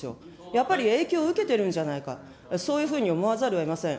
やっぱり影響を受けてるんじゃないか、そういうふうに思わざるをえません。